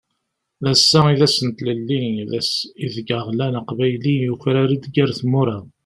D ass-a i d ass n tlelli, d ass ideg aɣlan aqbayli, yufrar-d ger tmura.